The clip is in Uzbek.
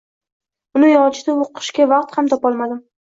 Uni yolchitib o‘qishga vaqt ham topolmadim.